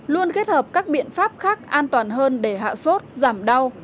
luôn kết hợp các biện pháp khác an toàn hơn để hạ sốt giảm đau